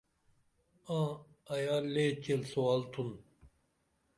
آں، ایا لئے چیل سُوال تُھن